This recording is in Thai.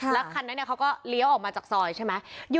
แล้วคันนั้นเขาก็เลี้ยวออกมาจากซอยใช่ไหม